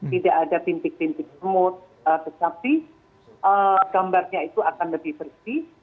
tidak ada titik titik semut tetapi gambarnya itu akan lebih bersih